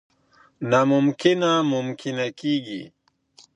نا ممکنه ممکنه کېږي.